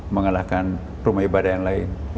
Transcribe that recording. mengalahkan rumah ibadah yang lain